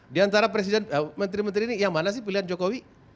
di antara presiden menteri menteri ini yang mana sih pilihan jokowi